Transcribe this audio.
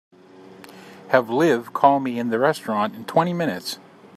Have Liv call me in the restaurant in twenty minutes.